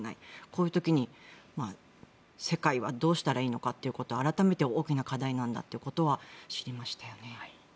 こういう時に世界はどうしたらいいのかということは改めて大きな課題なんだっていうことは知りましたよね。